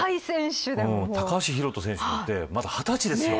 高橋宏斗選手ってまだ２０歳ですよ。